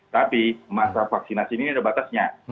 tapi masa vaksinasi ini ada batasnya